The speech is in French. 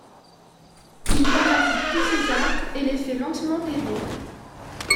Il parasite tous ces arbres et les fait lentement périr.